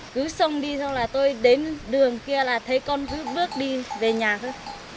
cứu xong đi xong là tôi đến đường kia là thấy con vứt bước đi về nhà thôi